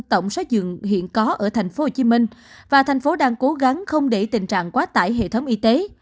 tổng số dựng hiện có ở tp hcm và thành phố đang cố gắng không để tình trạng quá tải hệ thống y tế